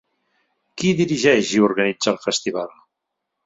Qui dirigeix i organitza el festival?